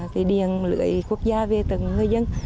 thì điện lưỡi quốc gia về từng người dân